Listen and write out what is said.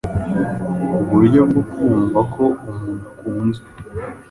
uburyo bwo kumva ko umuntu akunzwe